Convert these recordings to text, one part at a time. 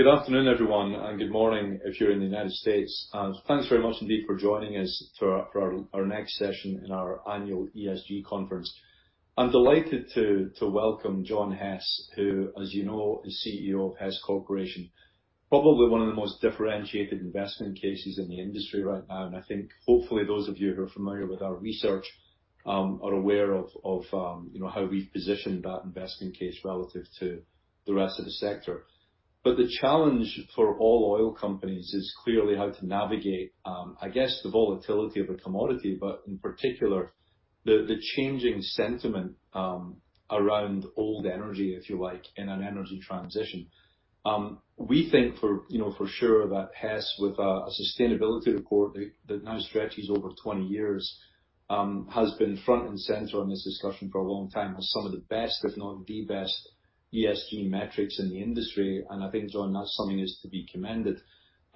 Good afternoon, everyone, and good morning if you're in the United States. Thanks very much indeed for joining us for our next session in our annual ESG conference. I'm delighted to welcome John Hess, who is CEO of Hess Corporation. Probably one of the most differentiated investment cases in the industry right now. I think hopefully those of you who are familiar with our research are aware of how we've positioned that investment case relative to the rest of the sector. The challenge for all oil companies is clearly how to navigate I guess, the volatility of a commodity, but in particular, the changing sentiment around oil energy, if you like, in an energy transition. We think, for sure that Hess, with a sustainability report that now stretches over 20 years, has been front and center on this discussion for a long time, has some of the best, if not the best ESG metrics in the industry. I think, John, that's something that's to be commended.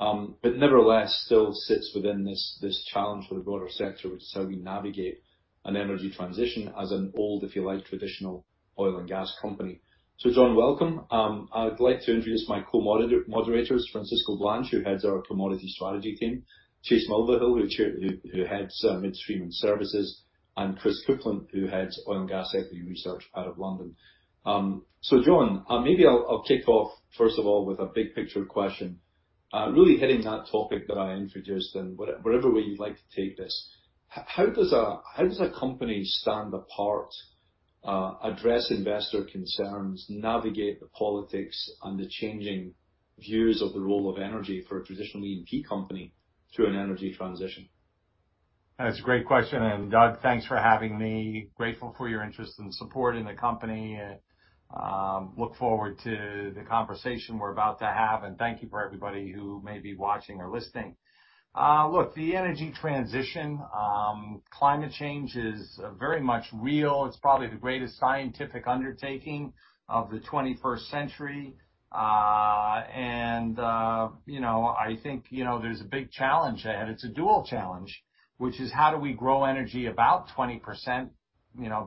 Nevertheless still sits within this challenge for the broader sector, which is how we navigate an energy transition as an old, if you like, traditional oil and gas company. John, welcome. I'd like to introduce my co-moderators, Francisco Blanch, who heads our commodity strategy team, Chase Mulvehill, who heads midstream and services, and Christopher Kuplent, who heads oil and gas equity research out of London. John, maybe I'll kick off, first of all, with a big picture question. Really hitting that topic that I introduced, and whatever way you'd like to take this. How does a company stand apart, address investor concerns, navigate the politics and the changing views of the role of energy for a traditional E&P company through an energy transition? That's a great question. Doug, thanks for having me. Grateful for your interest and support in the company. Look forward to the conversation we're about to have, and thank you to everybody who may be watching or listening. Look, the energy transition and climate change are very much real. It's probably the greatest scientific undertaking of the 21st century. I think there's a big challenge ahead. It's a dual challenge, which is how do we grow energy about 20%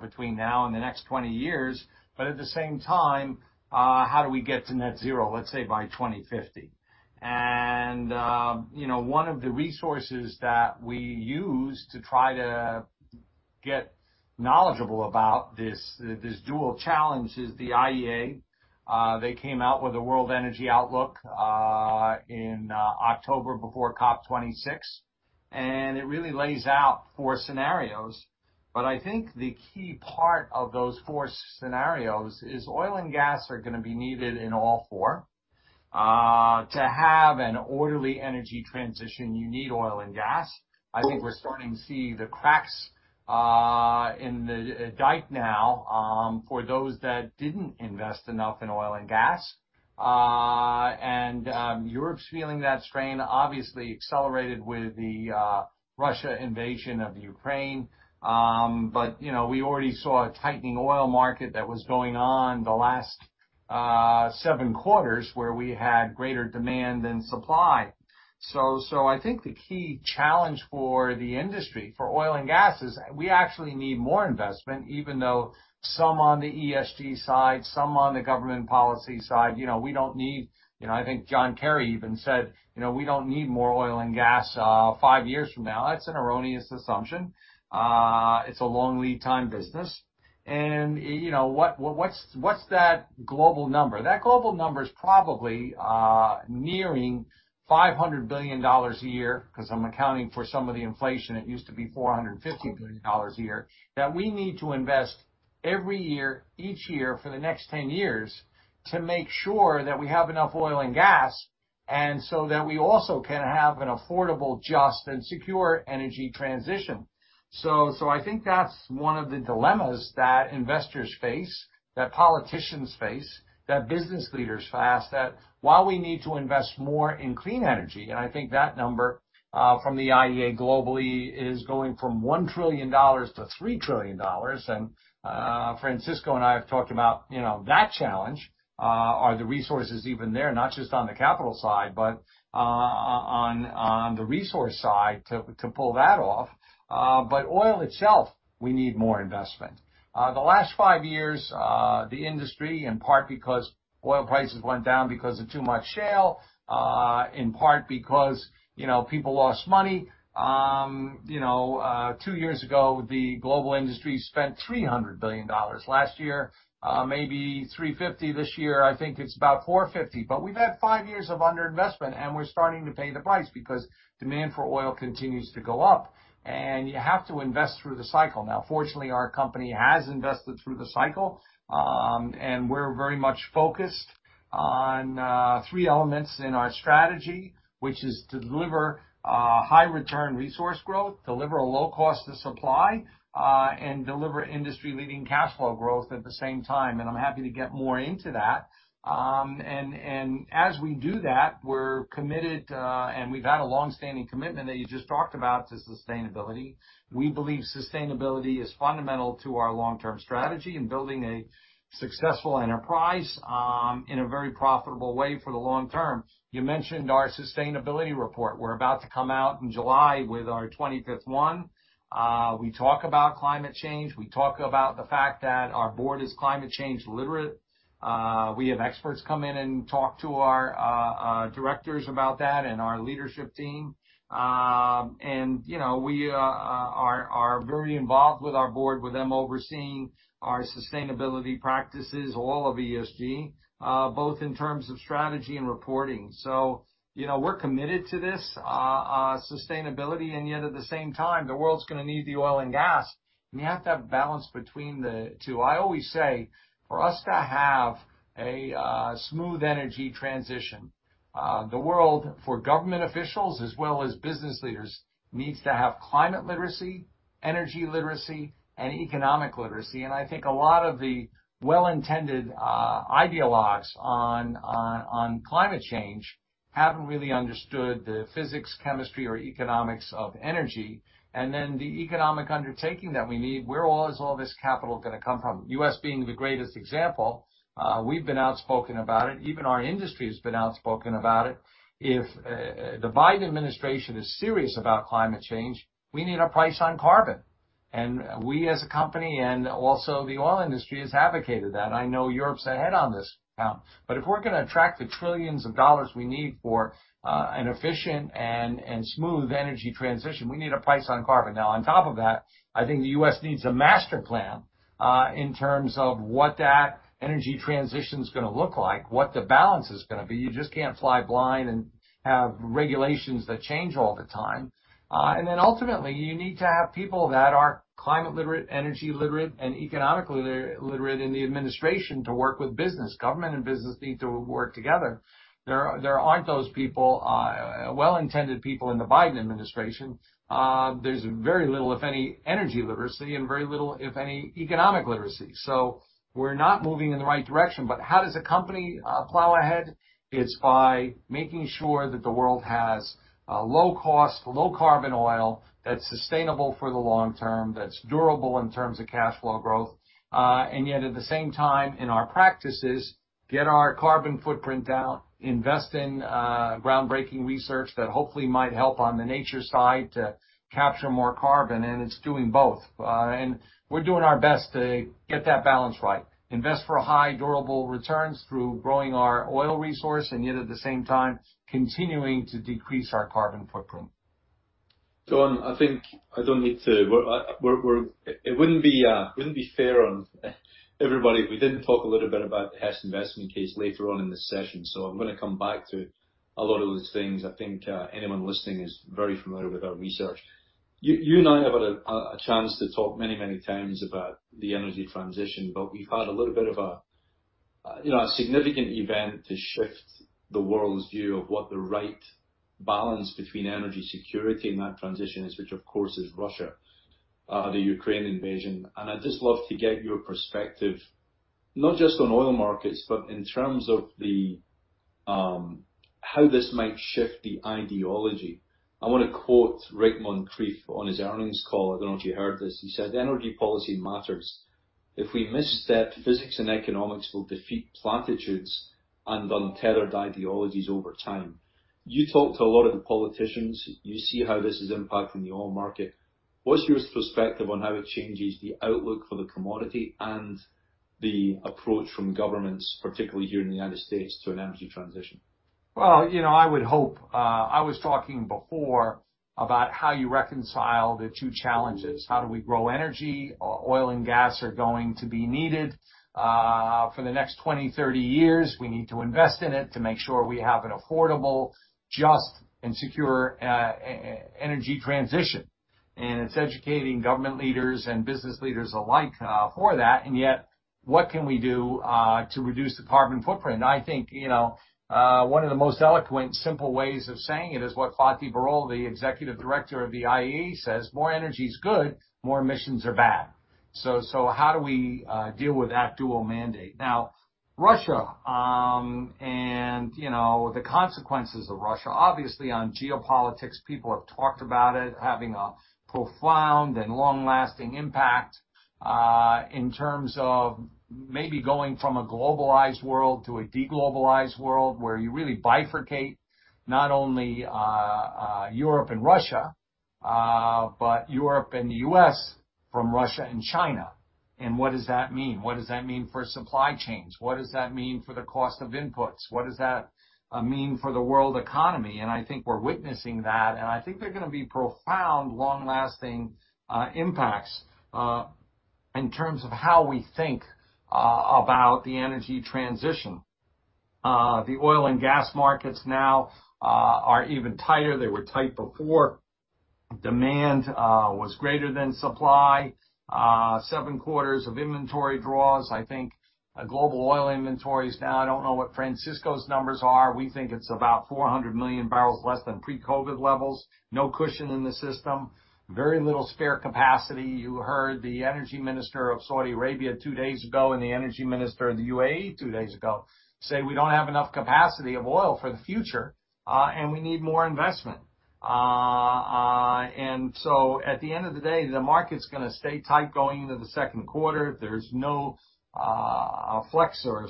between now and the next 20 years, but at the same time, how do we get to net zero, let's say, by 2050? You know, one of the resources that we use to try to get knowledgeable about this dual challenge is the IEA. They came out with a World Energy Outlook in October before COP26, and it really lays out 4 scenarios. I think the key part of those 4 scenarios is that oil and gas are gonna be needed in all 4. To have an orderly energy transition, you need oil and gas. I think we're starting to see the cracks in the dike now for those who didn't invest enough in oil and gas. Europe's feeling that strain obviously accelerated with the Russian invasion of Ukraine. We already saw a tightening oil market that was going on the last 7 quarters, where we had greater demand than supply. I think the key challenge for the industry, for oil and gas, is we actually need more investment, even though some on the ESG side, some on the government policy side, we don't need. I think John Kerry even said, "We don't need more oil and gas five years from now." That's an erroneous assumption. It's a long lead time business. What's that global number? That global number is probably nearing $500 billion a year, 'cause I'm accounting for some of the inflation. It used to be $450 billion a year that we need to invest every year, each year for the next 10 years to make sure that we have enough oil and gas, and so that we also can have an affordable, just and secure energy transition. I think that's one of the dilemmas that investors face, that politicians face, that business leaders face. That while we need to invest more in clean energy, and I think that number from the IEA globally is going from $1 trillion-$3 trillion. Francisco and I have talked about that challenge. Are the resources even there, not just on the capital side, but on the resource side to pull that off. But oil itself, we need more investment. The last 5 years, the industry, in part because oil prices went down because of too much shale, and in part because people lost money. Two years ago, the global industry spent $300 billion. Last year, maybe $350 billion. This year, I think it's about $450 billion. But we've had five years of underinvestment, and we're starting to pay the price because demand for oil continues to go up, and you have to invest through the cycle. Now, fortunately, our company has invested through the cycle, and we're very much focused on three elements in our strategy, which are to deliver high return resource growth, deliver a low cost of supply, and deliver industry-leading cash flow growth at the same time. I'm happy to get more into that. As we do that, we're committed, and we've had a long-standing commitment that you just talked about to sustainability. We believe sustainability is fundamental to our long-term strategy and building a successful enterprise in a very profitable way for the long term. You mentioned our sustainability report. We're about to come out in July with our 25th one. We talk about climate change. We talk about the fact that our board is climate change literate. We have experts come in and talk to our directors and our leadership team about that. We are very involved with our board, with them overseeing our sustainability practices, all of ESG, both in terms of strategy and reporting. You know, we're committed to this sustainability, and yet at the same time, the world's gonna need the oil and gas, and you have to have balance between the two. I always say, for us to have a smooth energy transition, the world for government officials as well as business leaders needs to have climate literacy, energy literacy, and economic literacy. I think a lot of the well-intended ideologues on climate change haven't really understood the physics, chemistry, or economics of energy. Then the economic undertaking that we need, where is all this capital gonna come from? U.S. being the greatest example, we've been outspoken about it. Even our industry has been outspoken about it. If the Biden administration is serious about climate change, we need a price on carbon. We as a company and also the oil industry have advocated that. I know Europe's ahead on this now. If we're gonna attract the $ trillions we need for an efficient and smooth energy transition, we need a price on carbon. Now, on top of that, I think the U.S. needs a master plan in terms of what that energy transition's gonna look like, what the balance is gonna be. You just can't fly blind and have regulations that change all the time. Ultimately, you need to have people who are climate literate, energy literate, and economically literate in the administration to work with business. Government and business need to work together. There aren't those people, well-intended people in the Biden administration. There's very little, if any, energy literacy and very little, if any, economic literacy. We're not moving in the right direction. How does a company plow ahead? It's by making sure that the world has a low cost, low carbon oil that's sustainable for the long term, that's durable in terms of cash flow growth, and yet at the same time, in our practices, get our carbon footprint down, invest in groundbreaking research that hopefully might help on the nature side to capture more carbon, and it's doing both. We're doing our best to get that balance right. Invest for high durable returns through growing our oil resource, and yet at the same time, continuing to decrease our carbon footprint. John, it wouldn't be fair on everybody if we didn't talk a little bit about Hess investment case later on in the session. I'm gonna come back to a lot of those things. I think anyone listening is very familiar with our research. You and I have had a chance to talk many times about the energy transition, but we've had a little bit of a significant event to shift the world's view of what the right balance between energy security and that transition is, which, of course, is Russia, the Ukraine invasion. I'd just love to get your perspective, not just on oil markets, but in terms of how this might shift the ideology. I wanna quote Rick Muncrief on his earnings call. I don't know if you heard this. He said, "Energy policy matters. If we misstep, physics and economics will defeat platitudes and untethered ideologies over time." You talk to a lot of the politicians. You see how this is impacting the oil market. What's your perspective on how it changes the outlook for the commodity and the approach from governments, particularly here in the United States, to an energy transition? Well, I would hope. I was talking before about how you reconcile the two challenges. How do we grow energy? Oil and gas are going to be needed for the next 20, 30 years. We need to invest in it to make sure we have an affordable, just, and secure energy transition. It's educating government leaders and business leaders alike for that. Yet, what can we do to reduce the carbon footprint? I think one of the most eloquent and simple ways of saying it is what Fatih Birol, the executive director of the IEA, says, "More energy is good, more emissions are bad." So how do we deal with that dual mandate? Now, Russia the consequences of Russia, obviously on geopolitics, people have talked about it having a profound and long-lasting impact, in terms of maybe going from a globalized world to a de-globalized world where you really bifurcate not only Europe and Russia, but Europe and the US from Russia and China. What does that mean? What does that mean for supply chains? What does that mean for the cost of inputs? What does that mean for the world economy? I think we're witnessing that, and I think they're gonna be profound, long-lasting impacts, in terms of how we think about the energy transition. The oil and gas markets now are even tighter. They were tight before. Demand was greater than supply. Seven quarters of inventory draws. I think global oil inventory is now. I don't know what Francisco's numbers are. We think it's about 400 million barrels less than pre-COVID levels. No cushion in the system. Very little spare capacity. You heard the energy minister of Saudi Arabia two days ago, and the energy minister of the UAE two days ago say we don't have enough capacity of oil for the future, and we need more investment. At the end of the day, the market's gonna stay tight going into the second quarter. There's no flex or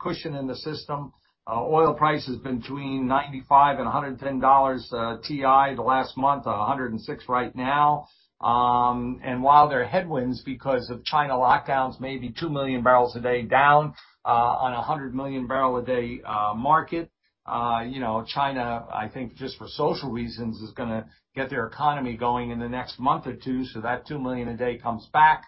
cushion in the system. Oil price has been between $95 and $110, WTI the last month, $106 right now. While there are headwinds because of China lockdowns, maybe 2 million barrels a day down, on a 100 million barrel a day market. China, I think just for social reasons, is gonna get their economy going in the next month or 2, so that 2 million a day comes back.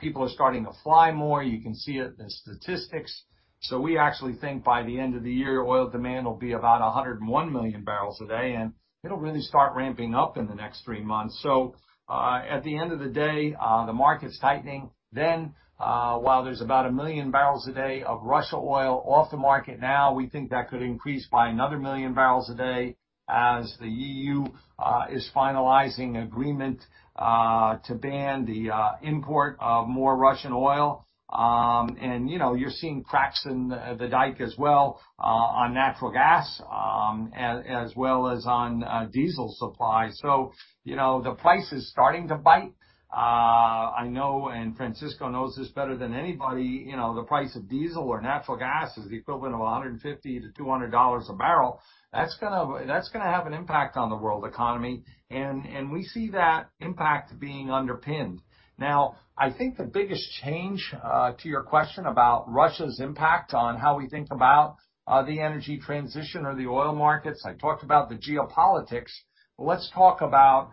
People are starting to fly more. You can see it in statistics. We actually think by the end of the year, oil demand will be about 101 million barrels a day, and it'll really start ramping up in the next 3 months. At the end of the day, the market's tightening. While there's about 1 million barrels a day of Russian oil off the market now, we think that could increase by another 1 million barrels a day as the EU is finalizing agreement to ban the import of more Russian oil. You're seeing cracks in the dike as well on natural gas as well as on diesel supply. The price is starting to bite. I know, and Francisco knows this better than anybody, the price of diesel or natural gas is the equivalent of $150-$200 a barrel. That's gonna have an impact on the world economy, and we see that impact being underpinned. Now, I think the biggest change to your question about Russia's impact on how we think about the energy transition or the oil markets, I talked about the geopolitics. Let's talk about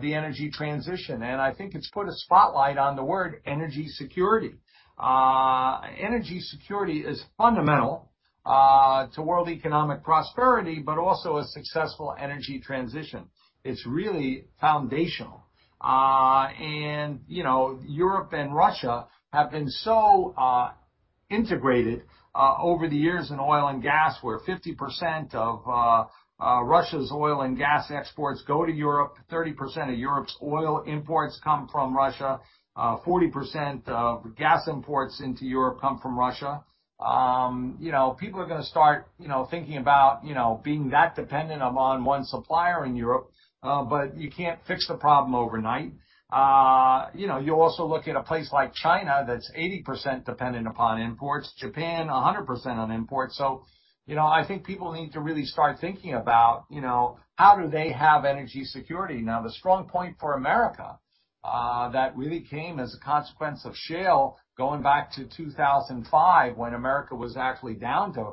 the energy transition. I think it's put a spotlight on the word energy security. Energy security is fundamental to world economic prosperity, but also a successful energy transition. It's really foundational. Europe and Russia have been so integrated over the years in oil and gas, where 50% of Russia's oil and gas exports go to Europe, 30% of Europe's oil imports come from Russia, 40% of gas imports into Europe come from Russia. People are gonna start thinking about being that dependent upon one supplier in Europe, but you can't fix the problem overnight. You also look at a place like China, that's 80% dependent upon imports, Japan, 100% on imports. You know, I think people need to really start thinking about, how do they have energy security. Now, the strong point for America, that really came as a consequence of shale, going back to 2005 when America was actually down to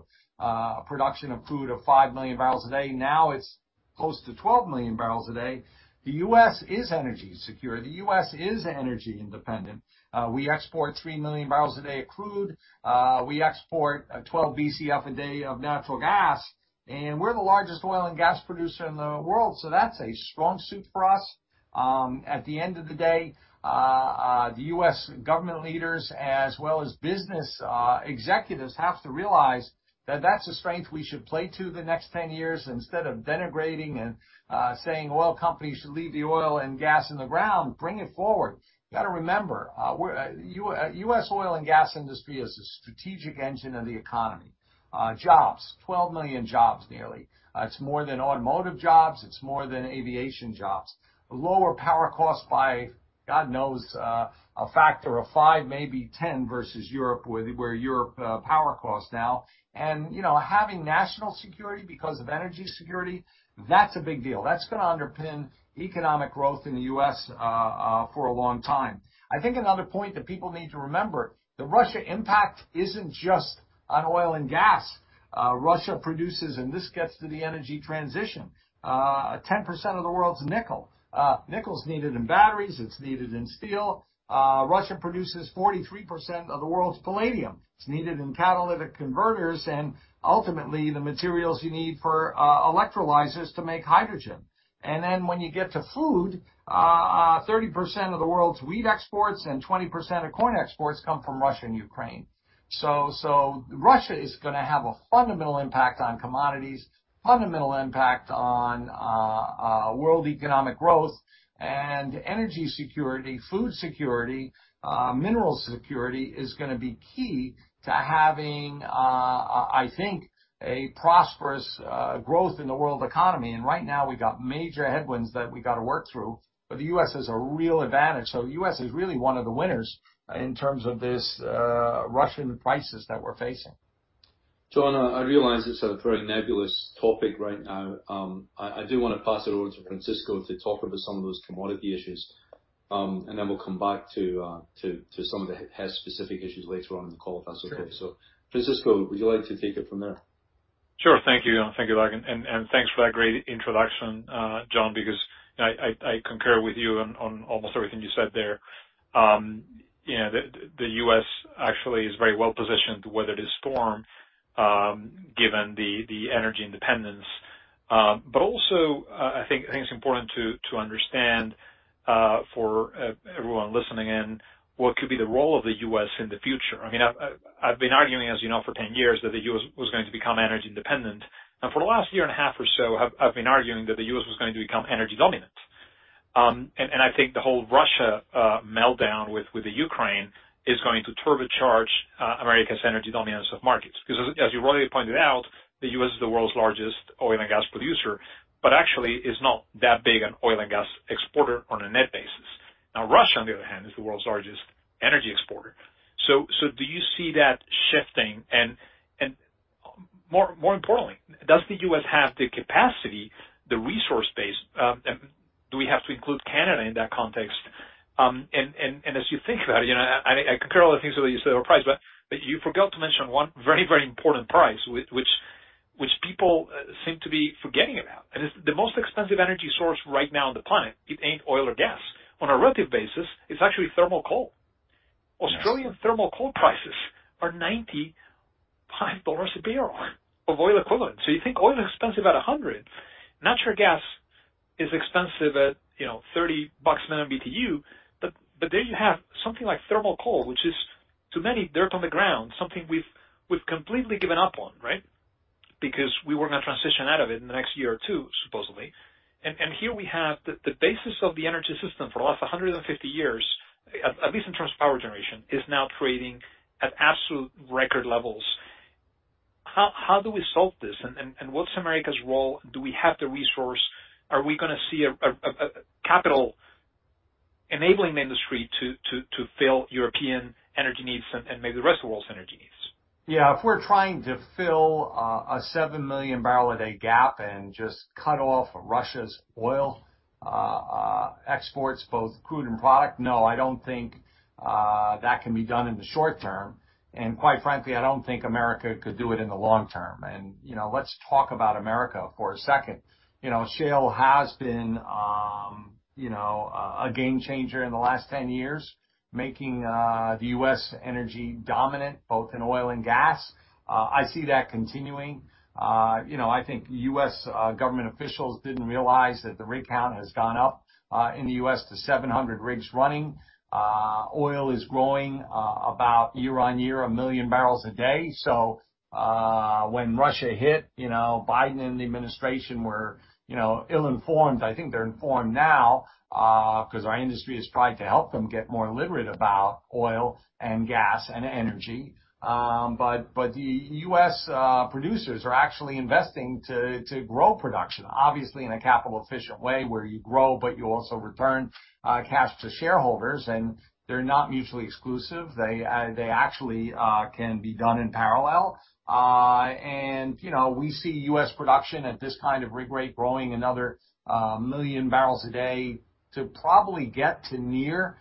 production of crude of 5 million barrels a day. Now it's close to 1,2 million barrels a day. The U.S. is energy secure. The U.S. is energy independent. We export 3 million barrels a day of crude. We export 12 BCF a day of natural gas, and we're the largest oil and gas producer in the world. That's a strong suit for us. At the end of the day, the U.S. government leaders as well as business executives have to realize that that's a strength we should play to the next 10 years instead of denigrating and saying oil companies should leave the oil and gas in the ground, bring it forward. You gotta remember, we're U.S. oil and gas industry is a strategic engine of the economy. Jobs, 12 million jobs, nearly. It's more than automotive jobs, it's more than aviation jobs. Lower power costs by, God knows, a factor of 5, maybe 10 versus Europe, where Europe power costs now. Having national security because of energy security that's a big deal. That's gonna underpin economic growth in the U.S. for a long time. I think another point that people need to remember, the Russia impact isn't just on oil and gas. Russia produces, and this gets to the energy transition, 10% of the world's nickel. Nickel's needed in batteries, it's needed in steel. Russia produces 43% of the world's palladium. It's needed in catalytic converters and ultimately the materials you need for electrolyzers to make hydrogen. Then, when you get to food, 30% of the world's wheat exports and 20% of corn exports come from Russia and Ukraine. Russia is gonna have a fundamental impact on commodities, fundamental impact on world economic growth. Energy security, food security, mineral security is gonna be key to having, I think, a prosperous, growth in the world economy. Right now, we've got major headwinds that we got to work through, but the U.S. has a real advantage. U.S. is really one of the winners in terms of this, Russian crisis that we're facing. John, I realize it's a very nebulous topic right now. I do wanna pass it over to Francisco to talk about some of those commodity issues. Then we'll come back to some of the HES specific issues later on in the call, if that's okay. Francisco, would you like to take it from there? Sure. Thank you. Thank you, Larkin. Thanks for that great introduction, John, because I concur with you on almost everything you said there. You know, the U.S. actually is very well positioned to weather this storm, given the energy independence. Also, I think it's important to understand, for everyone listening in, what could be the role of the U.S. in the future. I mean, I've been arguing, for 10 years, that the U.S. was going to become energy independent. For the last year and a half or so, I've been arguing that the U.S. was going to become energy dominant. I think the whole Russia meltdown with the Ukraine is going to turbocharge America's energy dominance of markets. Because as you rightly pointed out, the U.S. is the world's largest oil and gas producer, but actually is not that big an oil and gas exporter on a net basis. Now, Russia, on the other hand, is the world's largest energy exporter. Do you see that shifting? More importantly, does the U.S. have the capacity, the resource base, and do we have to include Canada in that context? As you think about it, I compare all the things that you said were priced, but you forgot to mention one very important price which people seem to be forgetting about. It's the most expensive energy source right now on the planet. It ain't oil or gas. On a relative basis, it's actually thermal coal. Australian thermal coal prices are $95 a barrel of oil equivalent. You think oil is expensive at $100. Natural gas is expensive at $30 per million BTU. There you have something like thermal coal, which is, to many, dirt on the ground, something we've completely given up on, right? Because we were gonna transition out of it in the next year or two, supposedly. How do we solve this? What's America's role? Do we have the resource? Are we gonna see a capital enabling the industry to fill European energy needs and maybe the rest of the world's energy needs? If we're trying to fill a 7 million barrels a day gap and just cut off Russia's oil exports, both crude and products, no, I don't think that can be done in the short term. Quite frankly, I don't think America could do it in the long term. Let's talk about America for a second. Shale has been a game changer in the last 10 years, making the US energy dominant, both in oil and gas. I see that continuing. You know, I think US government officials didn't realize that the rig count has gone up in the US to 700 rigs running. Oil is growing about 1 million barrels a day year-on-year. When Russia hit, Biden and the administration were ill-informed. I think they're informed now, 'cause our industry has tried to help them get more literate about oil and gas and energy. But the U.S. producers are actually investing to grow production, obviously in a capital efficient way, where you grow but you also return cash to shareholders, and they're not mutually exclusive. They actually can be done in parallel. We see U.S. production at this kind of rig rate growing another 1 million barrels a day to probably get to near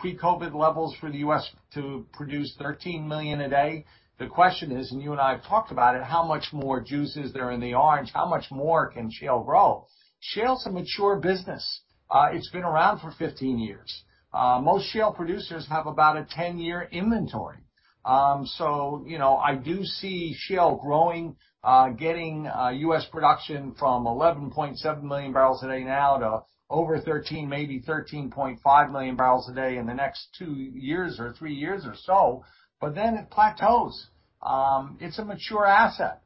pre-COVID levels for the U.S. to produce 13 million a day. The question is, and you and I have talked about it, how much more juice is there in the orange? How much more can shale grow? Shale's a mature business. It's been around for 15 years. Most shale producers have about a 10-year inventory. I do see shale growing, getting US production from 11.7 million barrels a day now to over 13, maybe 13.5 million barrels a day in the next 2 years or 3 years or so, but then it plateaus. It's a mature asset.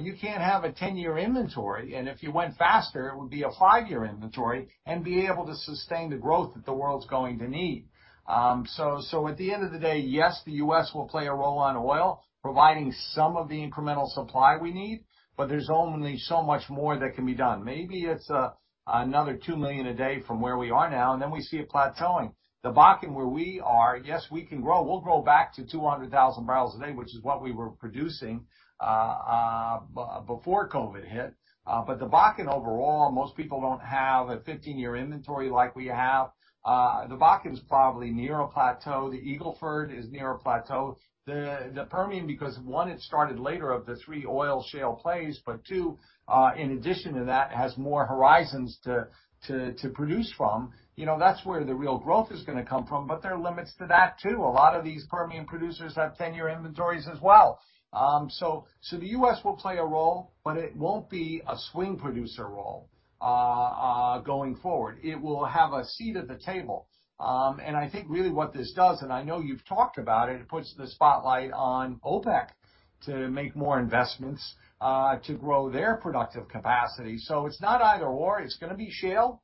You can't have a 10-year inventory, and if you went faster, it would be a 5-year inventory and be able to sustain the growth that the world's going to need. At the end of the day, yes, the U.S. Will play a role on oil, providing some of the incremental supply we need, but there's only so much more that can be done. Maybe it's another 2 million a day from where we are now, and then we see it plateauing. The Bakken where we are, yes, we can grow. We'll grow back to 200,000 barrels a day, which is what we were producing before COVID hit. The Bakken overall, most people don't have a 15-year inventory like we have. The Bakken's probably near a plateau. The Eagle Ford is near a plateau. The Permian, because one, it started later of the 3 oil shale plays, but two, in addition to that, has more horizons to produce from. That's where the real growth is gonna come from, but there are limits to that too. A lot of these Permian producers have 10-year inventories as well. The U.S. will play a role, but it won't be a swing producer role going forward. It will have a seat at the table. I think really what this does, and I know you've talked about it puts the spotlight on OPEC to make more investments to grow their productive capacity. It's not either/or. It's gonna be shale.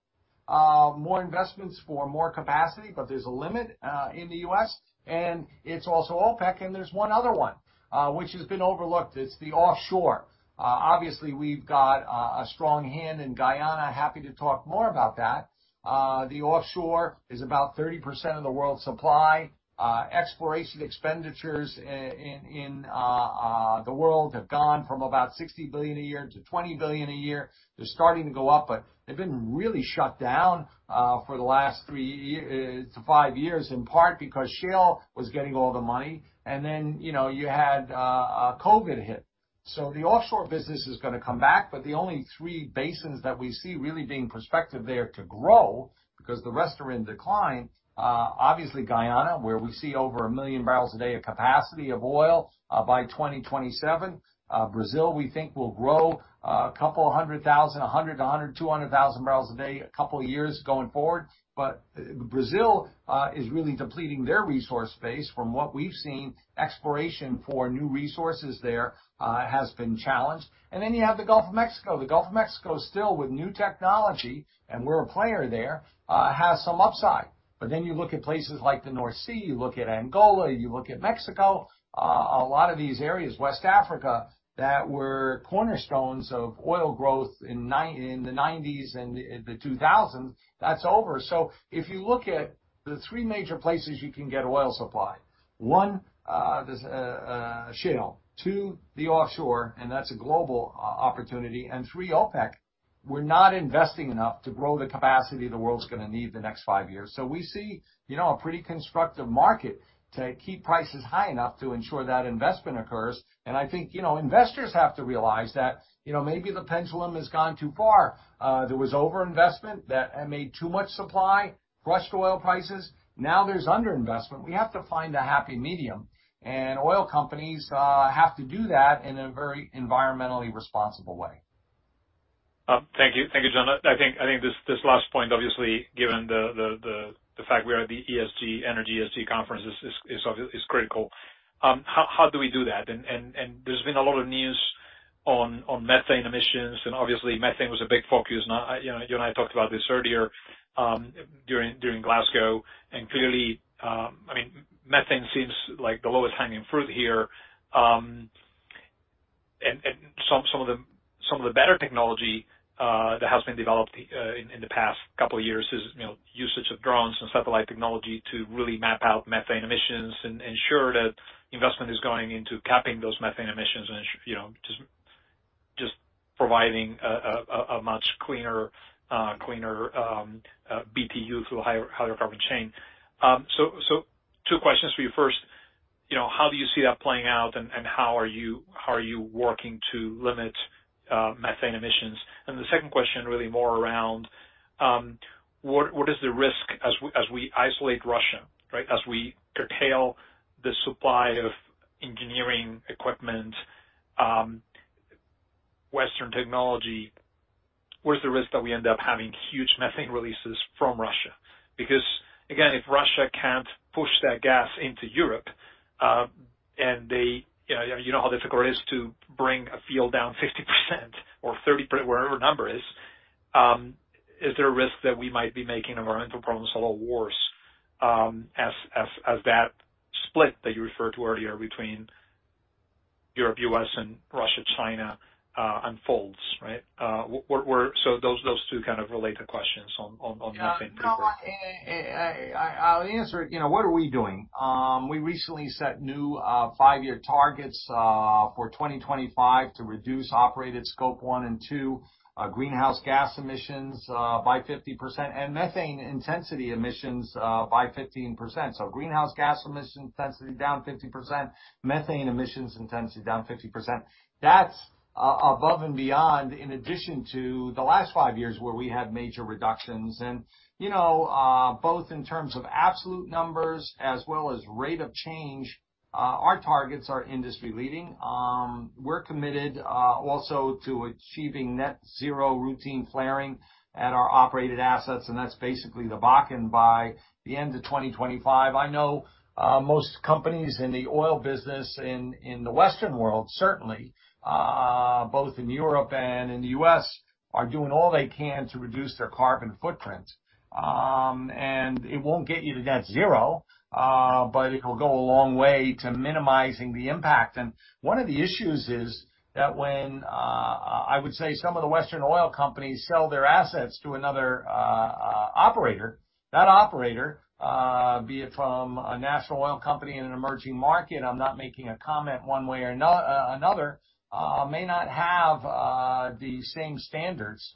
More investments for more capacity, but there's a limit in the U.S, and it's also OPEC, and there's one other one which has been overlooked. It's the offshore. Obviously, we've got a strong hand in Guyana. Happy to talk more about that. The offshore is about 30% of the world's supply. Exploration expenditures in the world have gone from about $60 billion a year to $20 billion a year. They're starting to go up, but they've been really shut down for the last 3 to 5 years, in part because shale was getting all the money. Then you had COVID hit. The offshore business is gonna come back, but the only three basins that we see really being prospective there to grow, because the rest are in decline, obviously Guyana, where we see over 1 million barrels a day of oil by 2027. Brazil, we think will grow a couple hundred thousand, 100,000-200,000 barrels a day, a couple of years going forward. Brazil is really depleting their resource base. From what we've seen, exploration for new resources there has been challenged. You have the Gulf of Mexico. The Gulf of Mexico is still, with new technology, and we're a player there, has some upside. Then you look at places like the North Sea, you look at Angola, you look at Mexico, a lot of these areas, West Africa, that were cornerstones of oil growth in the nineties and the two thousands, that's over. If you look at the three major places you can get oil supply, one, there's shale, two, the offshore, and that's a global opportunity, and three, OPEC. We're not investing enough to grow the capacity the world's gonna need in the next 5 years. We see a pretty constructive market to keep prices high enough to ensure that investment occurs. I think investors have to realize that, maybe the pendulum has gone too far. There was over-investment that made too much supply, crushed oil prices. Now there's under-investment. We have to find a happy medium. Oil companies have to do that in a very environmentally responsible way. Thank you. Thank you, John. I think this last point, obviously, given the fact we are at the ESG energy conference is critical. How do we do that? There's been a lot of news on methane emissions, and obviously methane was a big focus. Now you and I talked about this earlier, during Glasgow. Clearly, I mean, methane seems like the lowest hanging fruit here. Some of the better technology that has been developed in the past couple of years is usage of drones and satellite technology to really map out methane emissions and ensure that investment is going into capping those methane emissions and ensure, just providing a much cleaner BTU through a higher carbon chain. Two questions for you. First how do you see that playing out and how are you working to limit methane emissions? The second question really more around what is the risk as we isolate Russia, right? As we curtail the supply of engineering equipment, Western technology, where's the risk that we end up having huge methane releases from Russia? Because again, if Russia can't push that gas into Europe, and how difficult it is to bring a field down 50% or 30%, whatever number it is there a risk that we might be making environmental problems a lot worse, as that split that you referred to earlier between Europe, U.S. and Russia, China unfolds, right? Those two kind of related questions on methane. No, I'll answer it what are we doing? We recently set new 5-year targets for 2025 to reduce operated Scope 1 and 2 greenhouse gas emissions by 50% and methane intensity emissions by 15%. Greenhouse gas emission intensity down 50%, methane emissions intensity down 50%. That's above and beyond in addition to the last five years where we had major reductions. You know, both in terms of absolute numbers as well as rate of change, our targets are industry leading. We're committed also to achieving net zero routine flaring at our operated assets, and that's basically the Bakken by the end of 2025. I know most companies in the oil business in the Western world, certainly, both in Europe and in the U.S., are doing all they can to reduce their carbon footprint. It won't get you to net zero, but it'll go a long way to minimizing the impact. One of the issues is that when I would say some of the Western oil companies sell their assets to another operator, that operator, be it from a national oil company in an emerging market, I'm not making a comment one way or another, may not have the same standards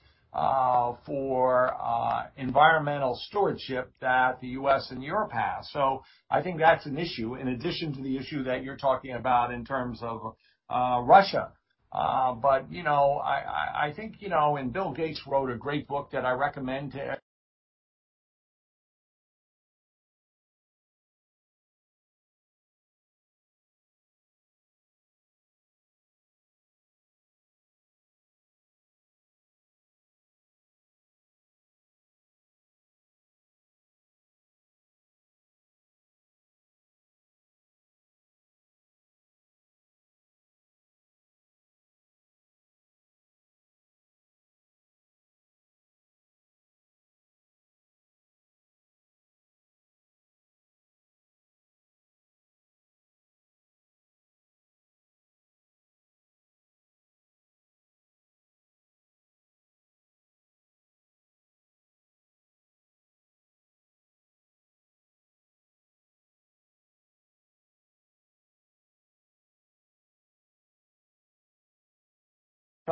for environmental stewardship that the U.S. and Europe has. I think that's an issue in addition to the issue that you're talking about in terms of Russia. I think Bill Gates wrote a great book that I recommend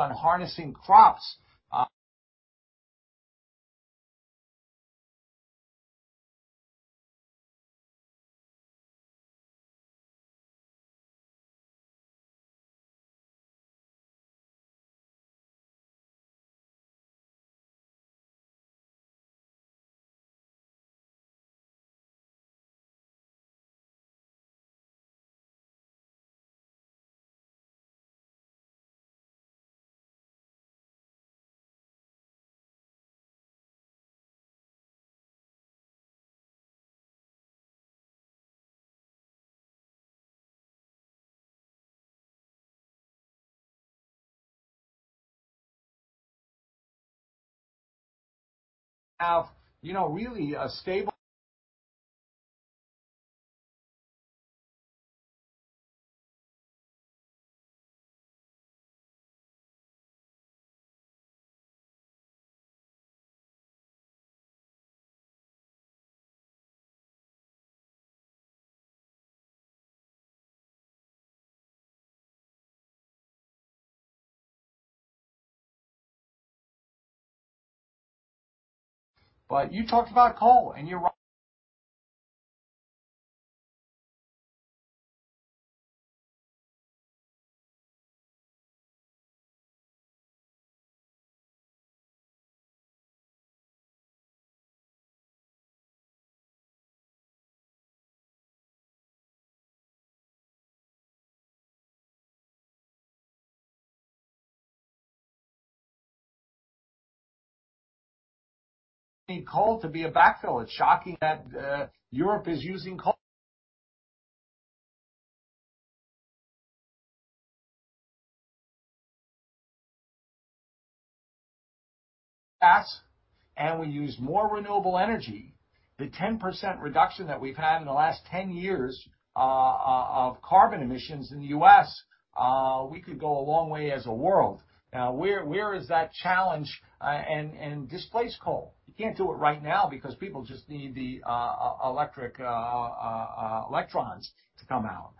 to have really a stable. You talked about coal, and you're right. Need coal to be a backfill. It's shocking that Europe is using coal, gas, and we use more renewable energy. The 10% reduction that we've had in the last 10 years of carbon emissions in the U.S., we could go a long way as a world. Now, where is that challenge, and displace coal? You can't do it right now because people just need the electric electrons to come out.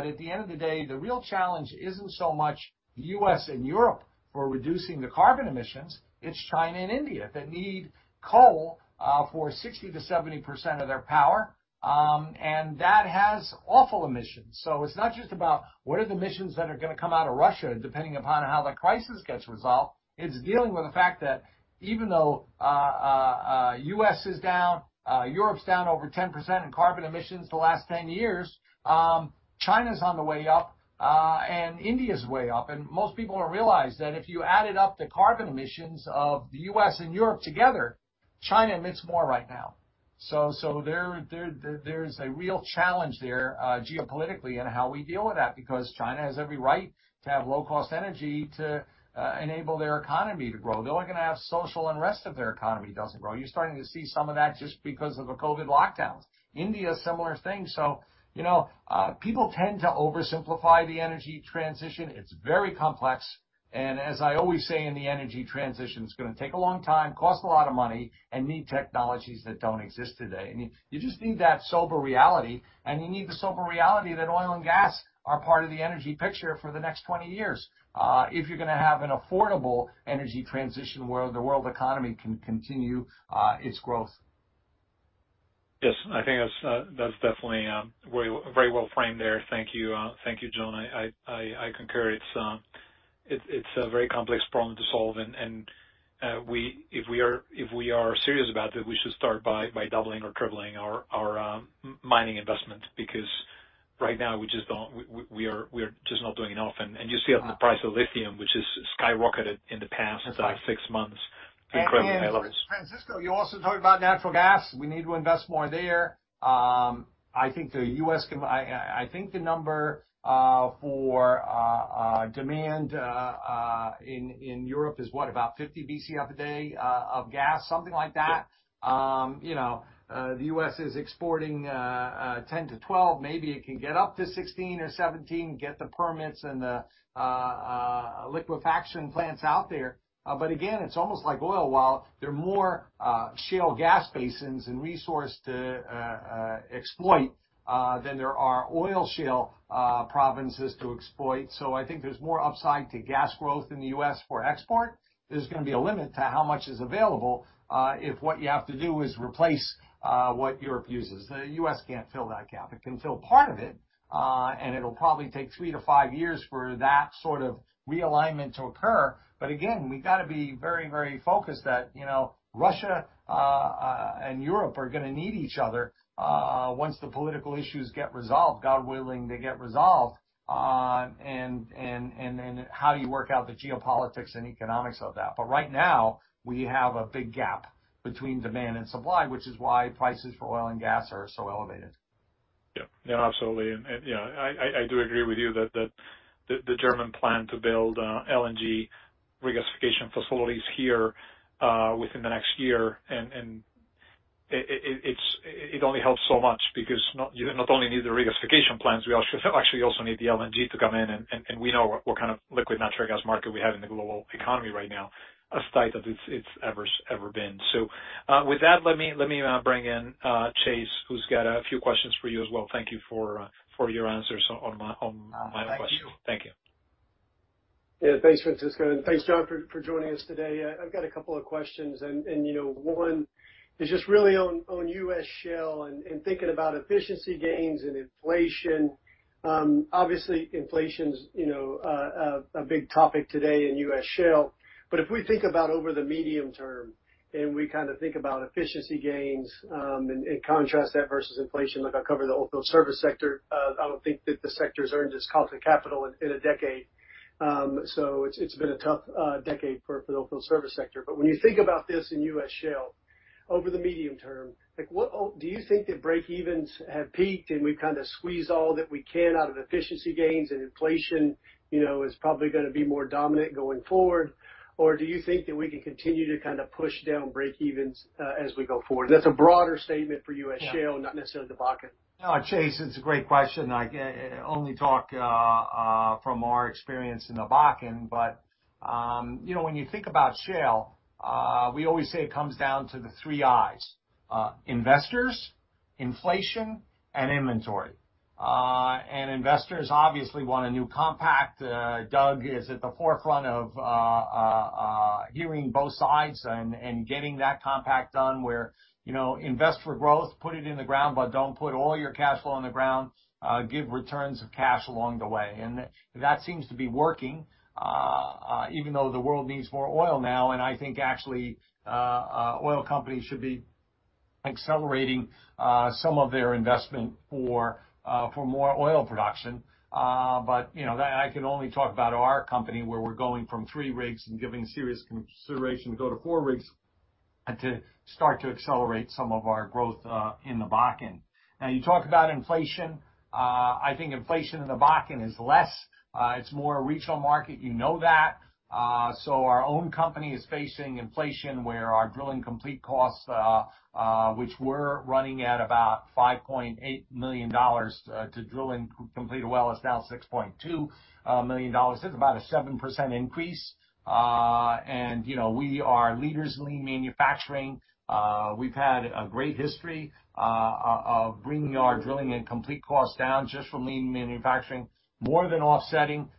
At the end of the day, the real challenge isn't so much the U.S. and Europe for reducing the carbon emissions. It's China and India that need coal for 60%-70% of their power, and that has awful emissions. It's not just about what are the emissions that are gonna come out of Russia, depending upon how the crisis gets resolved. It's dealing with the fact that even though US is down, Europe's down over 10% in carbon emissions the last 10 years, China's on the way up, and India's way up. Most people don't realize that if you added up the carbon emissions of the US and Europe together, China emits more right now. There's a real challenge there, geopolitically in how we deal with that, because China has every right to have low cost energy to enable their economy to grow. They're only gonna have social unrest if their economy doesn't grow. You're starting to see some of that just because of the COVID lockdowns. India, similar thing. People tend to oversimplify the energy transition. It's very complex. As I always say in the energy transition, it's gonna take a long time, cost a lot of money, and need technologies that don't exist today. You just need that sober reality, and you need the sober reality that oil and gas are part of the energy picture for the next 20 years, if you're gonna have an affordable energy transition where the world economy can continue its growth. Yes. I think that's definitely very well framed there. Thank you. Thank you, John. I concur. It's a very complex problem to solve. If we are serious about it, we should start by doubling or tripling our mining investment because right now we just don't. We're just not doing enough. You see it in the price of lithium, which has skyrocketed in the past 6 months. Incredibly high levels. Francisco, you also talked about natural gas. We need to invest more there. I think the number for demand in Europe is what? About 50 Bcf a day of gas? Something like that. The U.S. is exporting 10-12. Maybe it can get up to 16 or 17, get the permits and the liquefaction plants out there. Again, it's almost like oil. While there are more shale gas basins and resources to exploit than there are oil shale provinces to exploit. I think there's more upside to gas growth in the U.S. for export. There's gonna be a limit to how much is available if what you have to do is replace what Europe uses. The U.S. can't fill that gap. It can fill part of it, and it'll probably take 3-5 years for that sort of realignment to occur. Again, we've got to be very, very focused that Russia and Europe are gonna need each other, once the political issues get resolved, God willing, they get resolved, and how do you work out the geopolitics and economics of that? Right now, we have a big gap between demand and supply, which is why prices for oil and gas are so elevated. Absolutely. I do agree with you that the German plan to build LNG regasification facilities here within the next year, and it only helps so much because you not only need the regasification plants, we also need the LNG to come in. We know what kind of liquid natural gas market we have in the global economy right now, as tight as it's ever been. With that, let me bring in Chase, who's got a few questions for you as well? Thank you for your answers on my questions. Thank you. Thank you. Thanks, Francisco. Thanks, John, for joining us today. I've got a couple of questions. You know, one is just really on U.S. shale and thinking about efficiency gains and inflation. Obviously, inflation's is a big topic today in U.S. shale. If we think about over the medium term and we kind of think about efficiency gains and contrast that versus inflation, like I cover the oilfield service sector, I would think that the sector's earned its cost of capital in a decade. It's been a tough decade for the oilfield service sector. When you think about this in U.S. shale over the medium term, like, what do you think that breakevens have peaked and we've kind of squeezed all that we can out of efficiency gains and inflation is probably gonna be more dominant going forward? Or do you think that we can continue to kinda push down breakevens as we go forward? That's a broader statement for you at shale, not necessarily the Bakken. No, Chase, it's a great question. I can only talk from our experience in the Bakken. You know, when you think about shale, we always say it comes down to the three Is, investors, inflation, and inventory. Investors obviously want a new compact. Doug is at the forefront of hearing both sides and getting that compact done, where invest for growth, put it in the ground, but don't put all your cash flow on the ground, give returns of cash along the way. That seems to be working even though the world needs more oil now. I think actually oil companies should be accelerating some of their investment for more oil production. I can only talk about our company, where we're going from 3 rigs and giving serious consideration to go to 4 rigs and to start to accelerate some of our growth in the Bakken. You talk about inflation. I think inflation in the Bakken is less. It's more a regional market, you know that. Our own company is facing inflation where our drilling and completion costs, which we're running at about $5.8 million to drill and complete a well, is now $6.2 million. It's about a 7% increase. You know, we are leaders in lean manufacturing. We've had a great history of bringing our drilling and completion costs down just from lean manufacturing, more than offsetting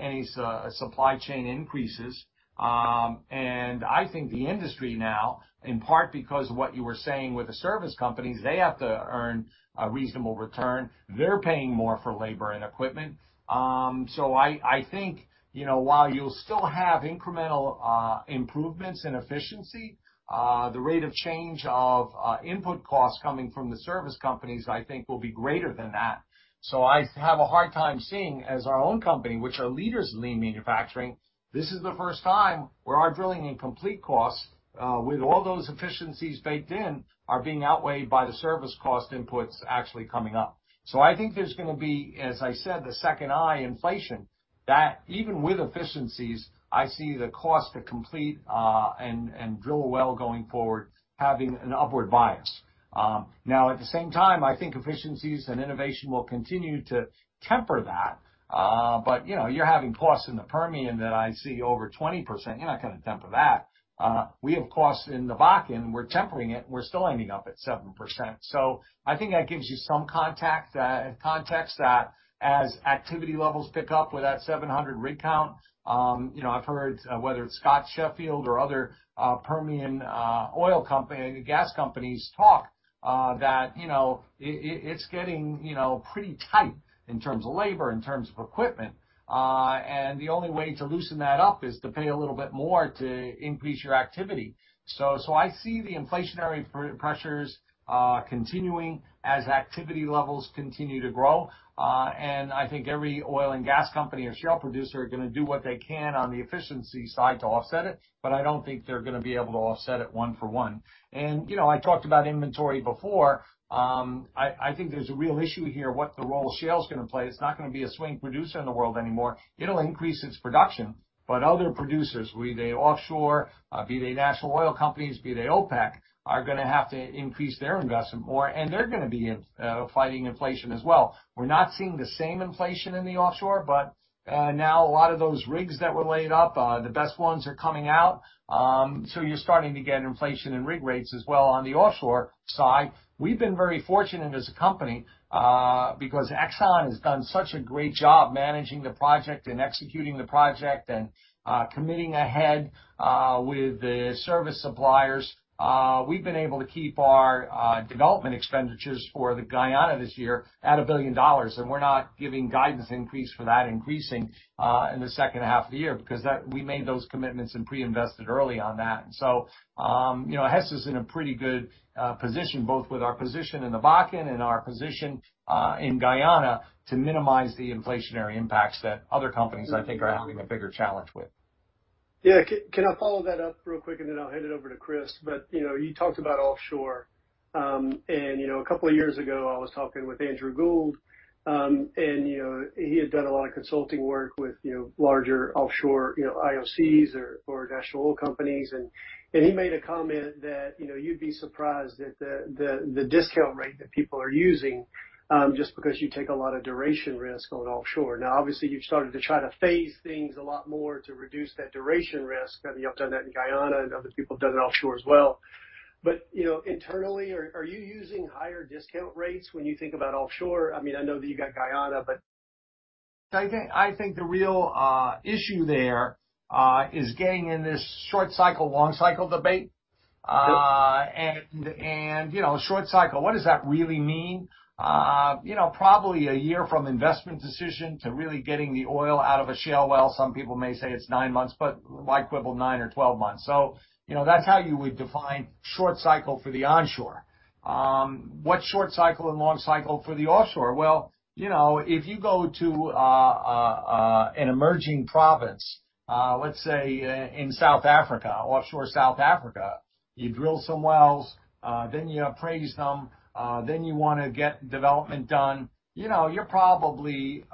any supply chain increases. I think the industry now, in part because of what you were saying with the service companies, they have to earn a reasonable return. They're paying more for labor and equipment. I think while you'll still have incremental improvements in efficiency, the rate of change of input costs coming from the service companies, I think, will be greater than that. I have a hard time seeing, as our own company, which are leaders in lean manufacturing, this is the first time where our drilling and completion costs, with all those efficiencies baked in, are being outweighed by the service cost inputs actually coming up. I think there's gonna be, as I said, inflation that even with efficiencies, I see the cost to complete and drill a well going forward having an upward bias. Now, at the same time, I think efficiencies and innovation will continue to temper that. You're having costs in the Permian that I see over 20%. You're not gonna temper that. We have costs in the Bakken. We're tempering it. We're still ending up at 7%. I think that gives you some context that as activity levels pick up with that 700 rig count. I've heard whether it's Scott Sheffield or other Permian oil and gas companies talk that it's gettingthat, pretty tight in terms of labor, in terms of equipment. The only way to loosen that up is to pay a little bit more to increase your activity. I see the inflationary pressures continuing as activity levels continue to grow. I think every oil and gas company or shale producer are gonna do what they can on the efficiency side to offset it, but I don't think they're gonna be able to offset it one for one. You know, I talked about inventory before. I think there's a real issue here, what the role shale's gonna play. It's not gonna be a swing producer in the world anymore. It'll increase its production, but other producers, be they offshore, be they national oil companies, be they OPEC, are gonna have to increase their investment more, and they're gonna be fighting inflation as well. We're not seeing the same inflation in the offshore, but now a lot of those rigs that were laid up, the best ones are coming out, so you're starting to get inflation in rig rates as well on the offshore side. We've been very fortunate as a company, because Exxon has done such a great job managing the project and executing the project and committing ahead with the service suppliers. We've been able to keep our development expenditures for the Guyana this year at $1 billion, and we're not giving guidance for that in the second half of the year because we made those commitments and pre-invested early on that. You know, Hess is in a pretty good position, both with our position in the Bakken and our position in Guyana, to minimize the inflationary impacts that other companies, I think, are having a bigger challenge with. Can I follow that up real quick, and then I'll hand it over to Chris? You talked about offshore. A couple of years ago, I was talking with Andrew Gould, and he had done a lot of consulting work with larger offshore IOCs or national oil companies and he made a comment that you'd be surprised at the discount rate that people are using just because you take a lot of duration risk going offshore. Now, obviously, you've started to try to phase things a lot more to reduce that duration risk. I mean, you all have done that in Guyana, and other people have done it offshore as well. Internally, are you using higher discount rates when you think about offshore? I mean, I know that you got Guyana, but. I think the real issue there is getting in this short cycle, long cycle debate. Yep. Short cycle, what does that really mean? Probably a year from investment decision to really getting the oil out of a shale well. Some people may say it's 9 months, but my equivalent, 9 or 12 months. That's how you would define short cycle for the onshore. What's short cycle and long cycle for the offshore? Well if you go to an emerging province, let's say, in South Africa, offshore South Africa, you drill some wells, then you appraise them, then you wanna get development done. You know, you're probably,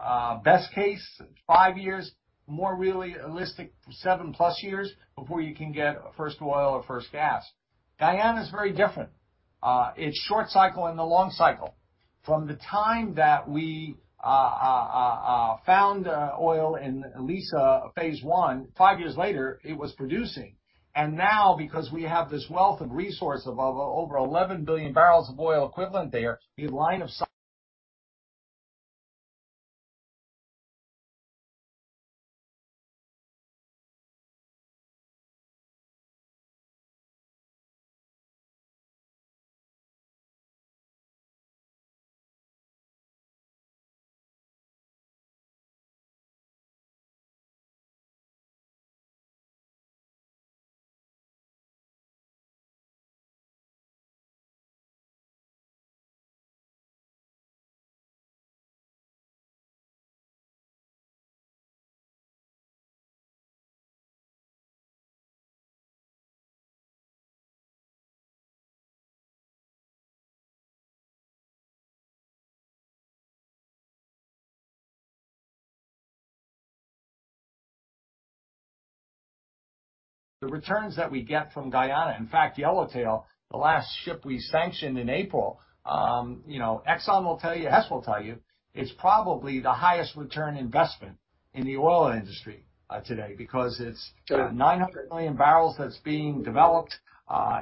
best case, 5 years, more really realistic, 7+ years before you can get first oil or first gas. Guyana is very different. It's short cycle and the long cycle. From the time that we found oil in Liza Phase 1, five years later, it was producing. Now, because we have this wealth of resource of over 11 billion barrels of oil equivalent there, the returns that we get from Guyana, in fact, Yellowtail, the last ship we sanctioned in April ExxonMobil will tell you, Hess will tell you, it's probably the highest return investment in the oil industry today because it's. Sure. 900 million barrels that's being developed.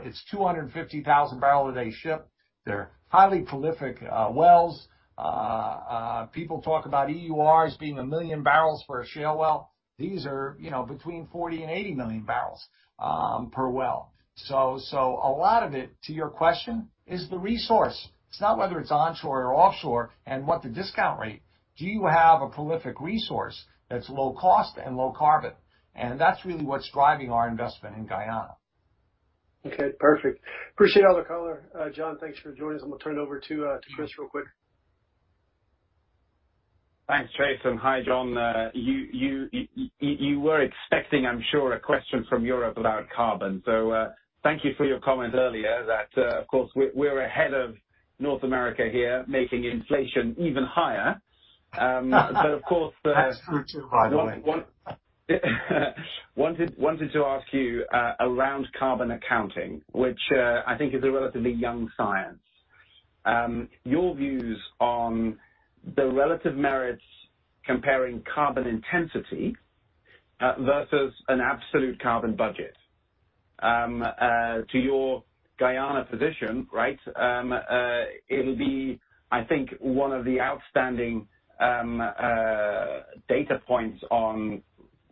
It's a 250,000-barrel-a-day ship. They're highly prolific wells. People talk about EUR as being a million barrels for a shale well. These are between 40 and 80 million barrels per well. A lot of it, to your question, is the resource. It's not whether it's onshore or offshore and what the discount rate. Do you have a prolific resource that's low cost and low carbon? That's really what's driving our investment in Guyana. Okay, perfect. Appreciate all the color. John, thanks for joining us. I'm gonna turn it over to Chris real quick. Thanks, Chase, and hi, John. You were expecting, I'm sure, a question from Europe about carbon. Thank you for your comment earlier that, of course, we're ahead of North America here, making inflation even higher. Of course- That's true, by the way. Wanted to ask you about carbon accounting, which I think is a relatively young science. Your views on the relative merits comparing carbon intensity versus an absolute carbon budget to your Guyana position, right? It'll be, I think, one of the outstanding data points on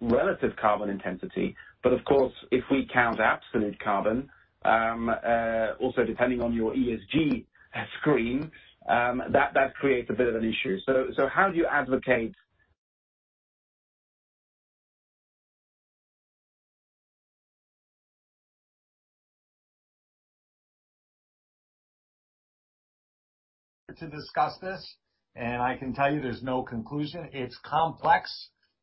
relative carbon intensity. Of course, if we count absolute carbon also depending on your ESG screen, that creates a bit of an issue. How do you advocate- To discuss this, I can tell you there's no conclusion. It's complex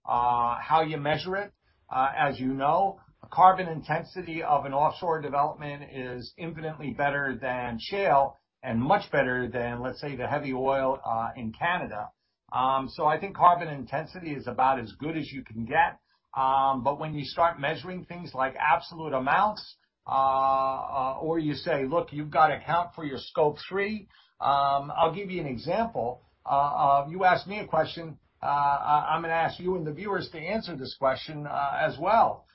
how you measure it. As you know, carbon intensity of an offshore development is infinitely better than shale and much better than, let's say, the heavy oil in Canada. I think carbon intensity is about as good as you can get. When you start measuring things like absolute amounts, or you say, "Look, you've got to account for your Scope 3," I'll give you an example. You asked me a question, I'm gonna ask you and the viewers to answer this question as well,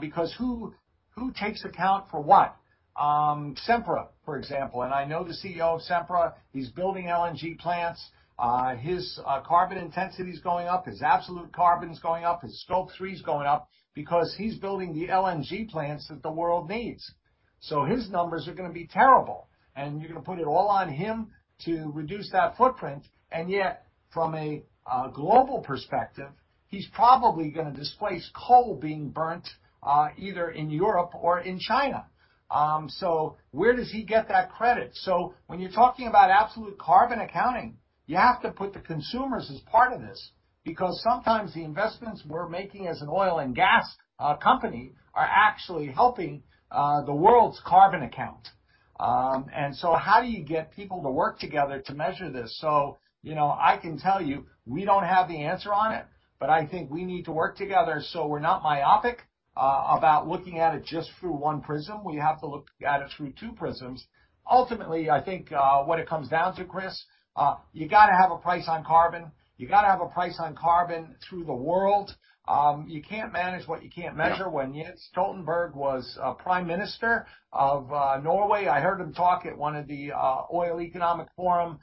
because who takes account for what? Sempra, for example, and I know the CEO of Sempra, he's building LNG plants. His carbon intensity is going up, his absolute carbon is going up, his Scope 3 is going up because he's building the LNG plants that the world needs. His numbers are gonna be terrible, and you're gonna put it all on him to reduce that footprint. From a global perspective, he's probably gonna displace coal being burnt either in Europe or in China. Where does he get that credit? When you're talking about absolute carbon accounting, you have to put the consumers as part of this because sometimes the investments we're making as an oil and gas company are actually helping the world's carbon account. How do you get people to work together to measure this? I can tell you, we don't have the answer on it, but I think we need to work together so we're not myopic about looking at it just through one prism. We have to look at it through two prisms. Ultimately, I think what it comes down to, Chris, you've got to have a price on carbon. You got to have a price on carbon through the world. You can't manage what you can't measure. When Jens Stoltenberg was Prime Minister of Norway, I heard him talk at one of the Oslo Energy Forum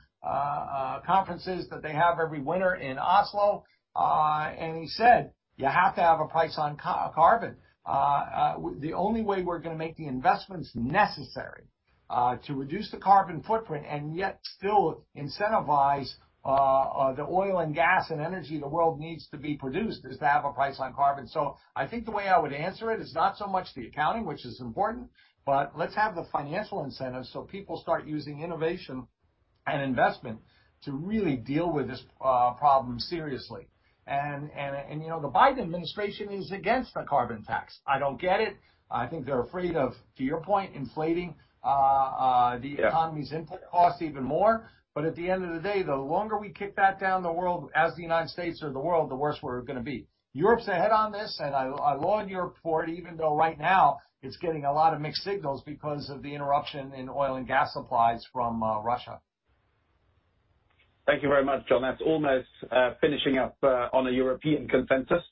conferences that they have every winter in Oslo. He said, "You have to have a price on carbon." The only way we're gonna make the investments necessary to reduce the carbon footprint and yet still incentivize the oil and gas and energy the world needs to be produced is to have a price on carbon. I think the way I would answer it is not so much the accounting, which is important, but let's have the financial incentives so people start using innovation and investment to really deal with this problem seriously. The Biden administration is against a carbon tax. I don't get it. I think they're afraid of, to your point, inflating. The economy's input costs even more. At the end of the day, the longer we kick that down the road, as the United States or the world, the worse we're gonna be. Europe's ahead on this, and I laud Europe for it, even though right now it's getting a lot of mixed signals because of the interruption in oil and gas supplies from Russia. Thank you very much, John. That's almost finishing up on a European consensus.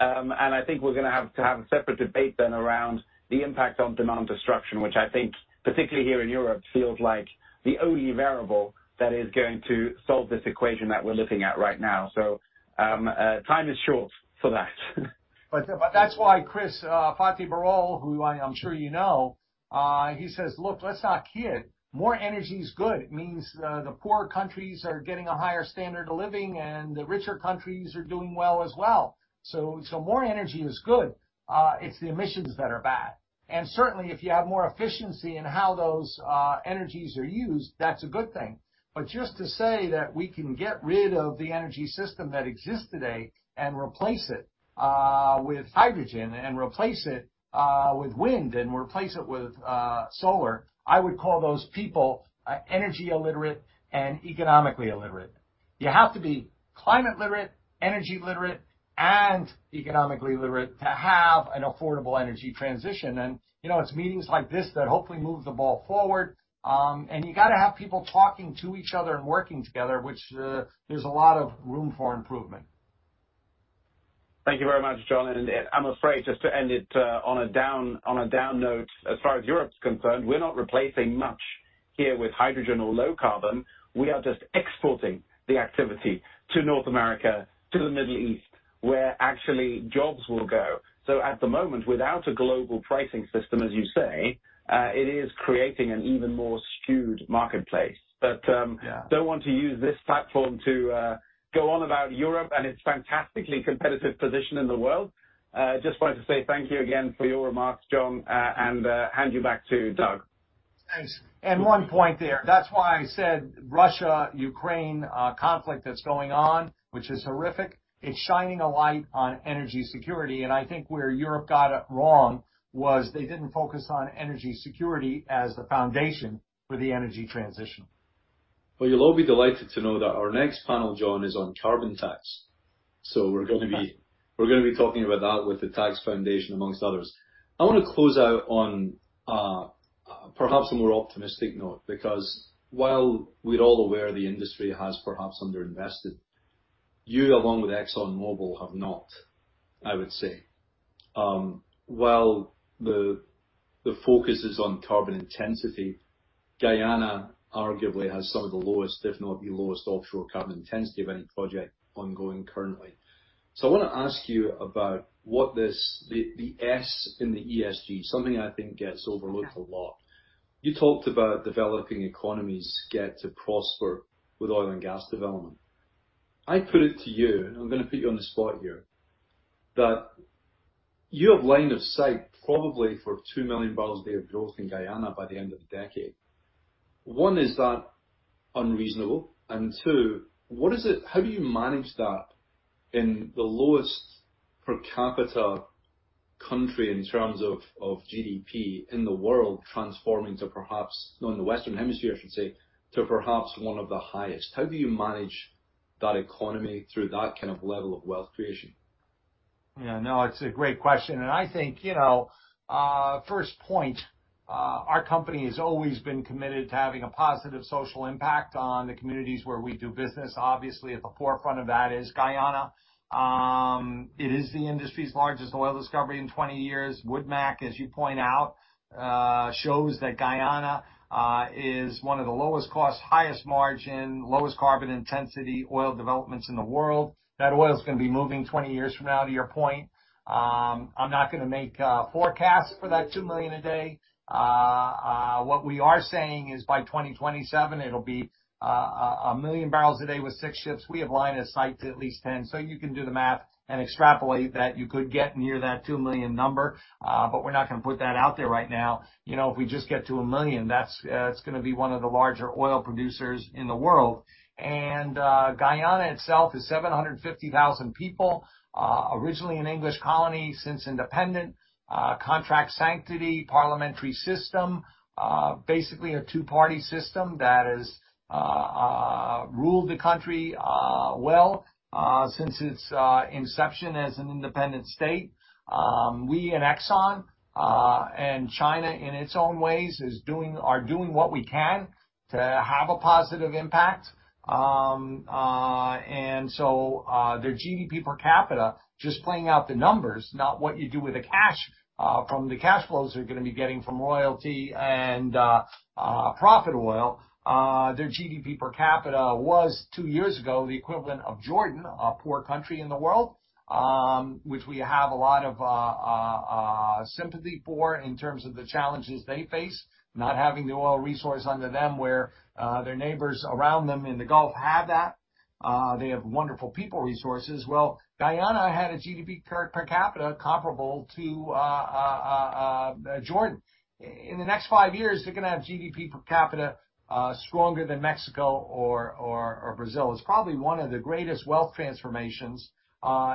I think we're gonna have to have a separate debate then around the impact on demand destruction, which I think, particularly here in Europe, feels like the only variable that is going to solve this equation that we're looking at right now. Time is short for that. That's why Chris, Fatih Birol, who I'm sure he says, "Look, let's not kid. More energy is good. It means, the poor countries are getting a higher standard of living, and the richer countries are doing well as well." More energy is good. It's the emissions that are bad. Certainly, if you have more efficiency in how those energies are used, that's a good thing. Just to say that we can get rid of the energy system that exists today and replace it with hydrogen and replace it with wind and replace it with solar, I would call those people energy illiterate and economically illiterate. You have to be climate literate, energy literate, and economically literate to have an affordable energy transition. You know, it's meetings like this that hopefully move the ball forward. You gotta have people talking to each other and working together, which there's a lot of room for improvement. Thank you very much, John. I'm afraid just to end it on a down note, as far as Europe's concerned, we're not replacing much here with hydrogen or low carbon. We are just exporting the activity to North America, to the Middle East, where actually jobs will go. At the moment, without a global pricing system, as you say, it is creating an even more skewed marketplace. Don't want to use this platform to go on about Europe and its fantastically competitive position in the world. Just wanted to say thank you again for your remarks, John, and hand you back to Doug. Thanks. One point there, that's why I said Russia-Ukraine conflict that's going on, which is horrific, it's shining a light on energy security. I think where Europe got it wrong was they didn't focus on energy security as the foundation for the energy transition. Well, you'll all be delighted to know that our next panel, John, is on carbon tax. We're gonna be talking about that with the Tax Foundation, amongst others. I wanna close out on, perhaps a more optimistic note because while we're all aware the industry has perhaps underinvested, you along with ExxonMobil have not, I would say. While the focus is on carbon intensity, Guyana arguably has some of the lowest, if not the lowest offshore carbon intensity of any project ongoing currently. I wanna ask you about what this, the S in the ESG, something I think gets overlooked a lot. You talked about developing economies get to prosper with oil and gas development. I put it to you, and I'm gonna put you on the spot here, that you have line of sight probably for 2 million barrels a day of growth in Guyana by the end of the decade. One, is that unreasonable? And two, what is it? How do you manage that in the lowest per capita country in terms of GDP in the world, transforming to perhaps, no, in the Western Hemisphere, I should say, to perhaps one of the highest? How do you manage that economy through that kind of level of wealth creation? Yeah, no, it's a great question. I think first point, our company has always been committed to having a positive social impact on the communities where we do business. Obviously, at the forefront of that is Guyana. It is the industry's largest oil discovery in 20 years. WoodMac, as you point out, shows that Guyana is one of the lowest cost, highest margin, lowest carbon intensity oil developments in the world. That oil's gonna be moving 20 years from now, to your point. I'm not gonna make forecasts for that 2 million a day. What we are saying is by 2027 it'll be a million barrels a day with six ships. We have line of sight to at least 10, so you can do the math and extrapolate that you could get near that 2 million number, but we're not gonna put that out there right now. You know, if we just get to a million, that's, it's gonna be one of the larger oil producers in the world. Guyana itself is 750,000 people. Originally an English colony, since independent, contract sanctity, parliamentary system, basically a two-party system that has ruled the country, well, since its inception as an independent state. We and Exxon and China in its own ways are doing what we can to have a positive impact. Their GDP per capita, just playing out the numbers, not what you do with the cash, from the cash flows they're gonna be getting from royalty and profit oil, their GDP per capita was 2 years ago the equivalent of Jordan, a poor country in the world, which we have a lot of sympathy for in terms of the challenges they face, not having the oil resource under them, where their neighbors around them in the Gulf have that. They have wonderful people resources. Well, Guyana had a GDP per capita comparable to Jordan. In the next 5 years, they're gonna have GDP per capita stronger than Mexico or Brazil. It's probably one of the greatest wealth transformations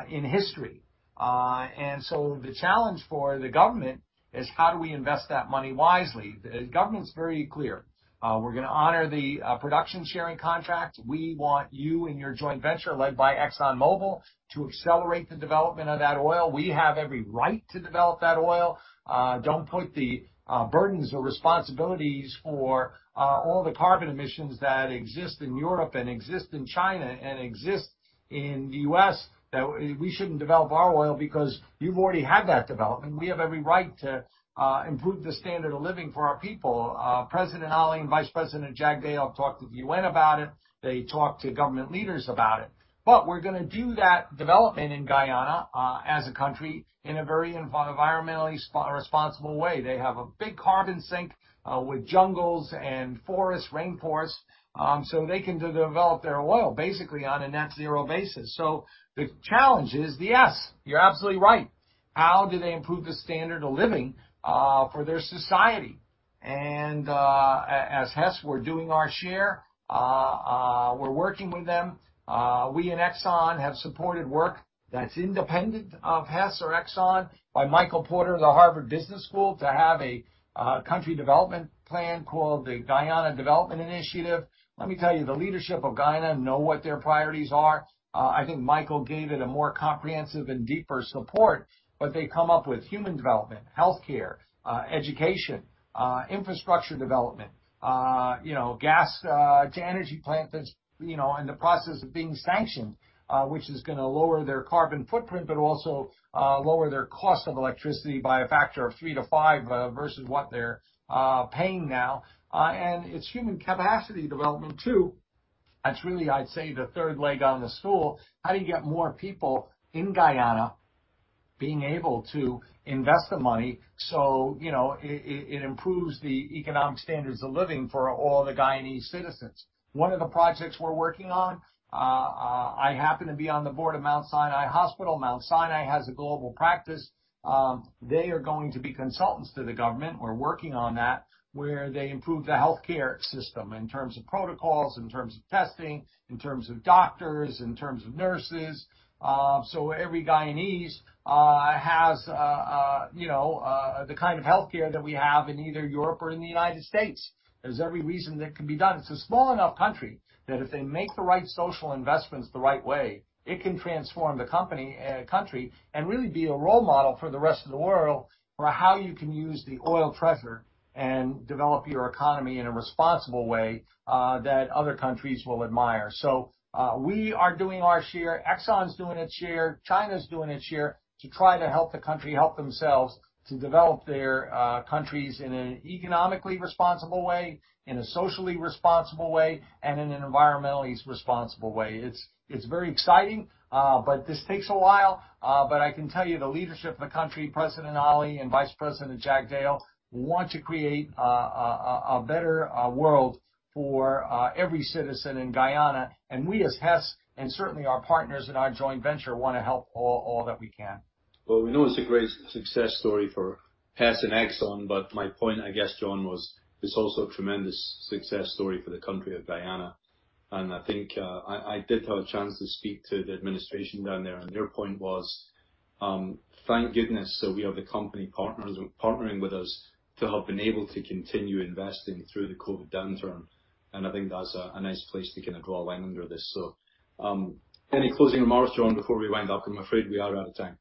in history. The challenge for the government is how do we invest that money wisely? The government's very clear. We're gonna honor the production sharing contract. We want you and your joint venture led by ExxonMobil to accelerate the development of that oil. We have every right to develop that oil. Don't put the burdens or responsibilities for all the carbon emissions that exist in Europe and exist in China and exist in the US, that we shouldn't develop our oil because you've already had that development. We have every right to improve the standard of living for our people. President Ali and Vice President Jagdeo talked at the UN about it. They talked to government leaders about it. We're gonna do that development in Guyana, as a country in a very environmentally responsible way. They have a big carbon sink, with jungles and forests, rainforests, so they can develop their oil basically on a net zero basis. The challenge is, yes, you're absolutely right. How do they improve the standard of living, for their society? As Hess, we're doing our share. We're working with them. We and Exxon have supported work that's independent of Hess or Exxon by Michael Porter of the Harvard Business School to have a country development plan called the Greater Guyana Initiative. Let me tell you, the leadership of Guyana know what their priorities are. I think Michael gave it a more comprehensive and deeper support, but they come up with human development, healthcare, education, infrastructure development. You know, gas-to-energy plant that's, in the process of being sanctioned, which is gonna lower their carbon footprint, but also, lower their cost of electricity by a factor of 3-5, versus what they're paying now. It's human capacity development too. That's really, I'd say, the third leg on the stool. How do you get more people in Guyana being able to invest the money it improves the economic standards of living for all the Guyanese citizens? One of the projects we're working on, I happen to be on the board of Mount Sinai Hospital. Mount Sinai has a global practice. They are going to be consultants to the government, we're working on that, where they improve the healthcare system in terms of protocols, in terms of testing, in terms of doctors, in terms of nurses. Every Guyanese, the kind of healthcare that we have in either Europe or in the United States. There's every reason that can be done. It's a small enough country that if they make the right social investments the right way, it can transform the company, country, and really be a role model for the rest of the world for how you can use the oil treasure and develop your economy in a responsible way that other countries will admire. We are doing our share, ExxonMobil's doing its share, China's doing its share to try to help the country help themselves to develop their countries in an economically responsible way, in a socially responsible way, and in an environmentally responsible way. It's very exciting, but this takes a while, but I can tell you the leadership of the country, President Ali and Vice President Jagdeo, want to create a better world for every citizen in Guyana. We, as Hess, and certainly our partners in our joint venture, wanna help all that we can. Well, we know it's a great success story for Hess and ExxonMobil, but my point, I guess, John, was it's also a tremendous success story for the country of Guyana. I think I did have a chance to speak to the administration down there, and their point was, thank goodness that we have the company partners partnering with us to have been able to continue investing through the COVID downturn. I think that's a nice place to kind of draw a line under this. Any closing remarks, John, before we wind up? I'm afraid we are out of time.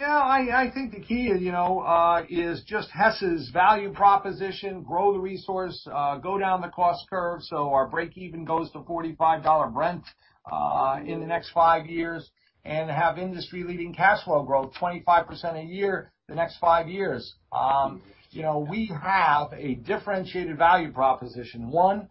I think the key is just Hess's value proposition, grow the resource, go down the cost curve so our break even goes to $45 Brent, in the next five years, and have industry-leading cash flow growth, 25% a year the next five years. We have a differentiated value proposition. One,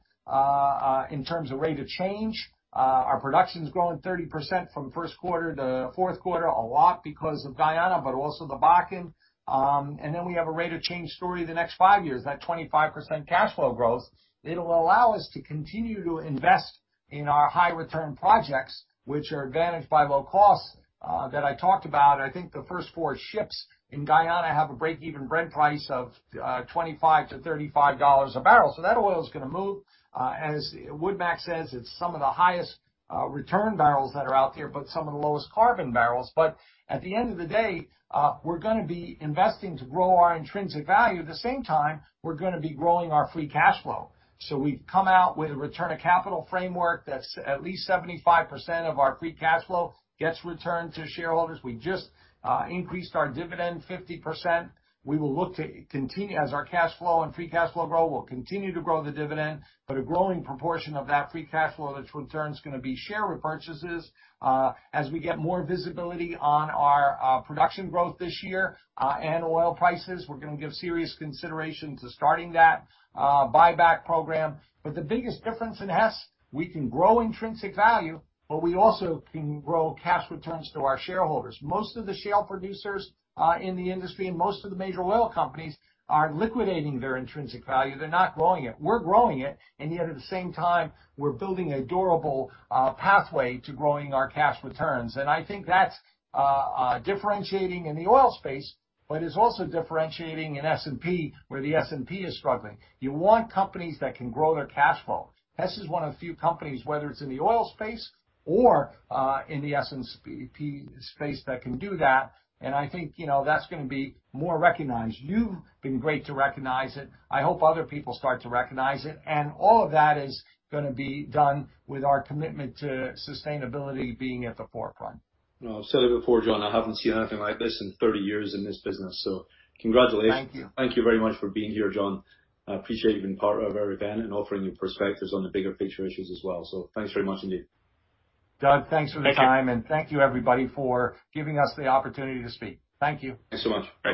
in terms of rate of change, our production's growing 30% from Q1 to Q4, a lot because of Guyana, but also the Bakken. And then we have a rate of change story the next five years. That 25% cash flow growth, it'll allow us to continue to invest in our high return projects, which are advantaged by low costs, that I talked about. I think the first four ships in Guyana have a break-even Brent price of $25-$35 a barrel. That oil's gonna move. As Wood Mackenzie says, it's some of the highest return barrels that are out there, but some of the lowest carbon barrels. At the end of the day, we're gonna be investing to grow our intrinsic value. At the same time, we're gonna be growing our free cash flow. We've come out with a return of capital framework that's at least 75% of our free cash flow gets returned to shareholders. We just increased our dividend 50%. As our cash flow and free cash flow grow, we'll continue to grow the dividend, but a growing proportion of that free cash flow that's returned is gonna be share repurchases. As we get more visibility on our production growth this year and oil prices, we're gonna give serious consideration to starting that buyback program. The biggest difference in Hess, we can grow intrinsic value, but we also can grow cash returns to our shareholders. Most of the shale producers in the industry and most of the major oil companies are liquidating their intrinsic value. They're not growing it. We're growing it, and yet at the same time, we're building a durable pathway to growing our cash returns. I think that's differentiating in the oil space, but it's also differentiating in S&P, where the S&P is struggling. You want companies that can grow their cash flow. Hess is one of the few companies, whether it's in the oil space or in the S&P space, that can do that, and I think that's gonna be more recognized. You've been great to recognize it. I hope other people start to recognize it, all of that is gonna be done with our commitment to sustainability being at the forefront. Well, I've said it before, John, I haven't seen anything like this in 30 years in this business, so congratulations. Thank you. Thank you very much for being here, John. I appreciate you being part of our event and offering your perspectives on the bigger picture issues as well. Thanks very much indeed. Doug, thanks for the time. Thank you. Thank you, everybody, for giving us the opportunity to speak. Thank you. Thanks so much. Bye-bye.